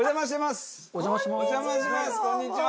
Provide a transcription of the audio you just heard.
こんにちは。